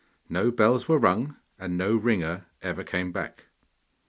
No bells were rung, and no ringer ever came back.